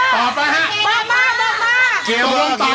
พี่เปลี่ยนต่อไป